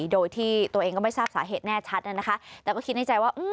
โดยที่ตัวเองก็ไม่ทราบสาเหตุแน่ชัดนะคะแต่ก็คิดในใจว่า